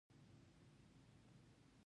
هغه زیات زور وواهه.